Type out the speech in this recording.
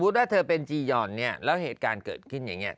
ถ้าเธอเป็นจียอนเนี่ยแล้วเหตุการณ์เกิดขึ้นอย่างนี้